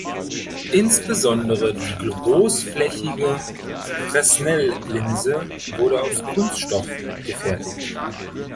Insbesondere die großflächige Fresnellinse wurde aus Kunststoff gefertigt.